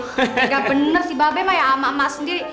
engga bener sih mbak be mah ya ama ama sendiri